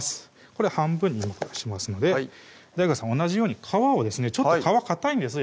これ半分にしますのでＤＡＩＧＯさん同じように皮をですねちょっと皮かたいんです